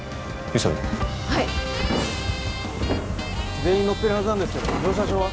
急いではい全員乗ってるはずなんですけど乗車証は？